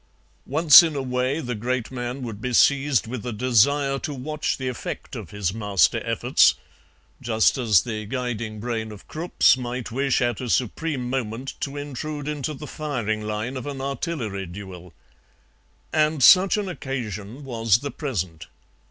"Once in a way the great man would be seized with a desire to watch the effect of his master efforts, just as the guiding brain of Krupp's might wish at a supreme moment to intrude into the firing line of an artillery duel. And such an occasion was the present.